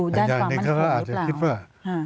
แต่อย่างหนึ่งเขาก็อาจจะคิดว่า